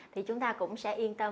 thì chúng ta cũng sẽ yên tâm